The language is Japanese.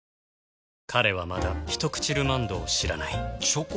彼はまだ「ひとくちルマンド」を知らないチョコ？